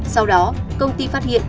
sau đó công ty phát hiện